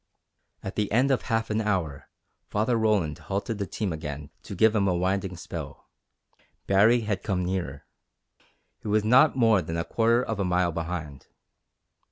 At the end of half an hour Father Roland halted the team again to give him a "winding" spell. Baree had come nearer. He was not more than a quarter of a mile behind.